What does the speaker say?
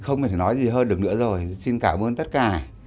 không thể nói gì hơn được nữa rồi xin cảm ơn tất cả